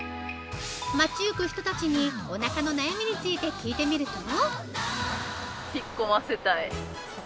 街行く人たちに、おなかの悩みについて聞いてみると。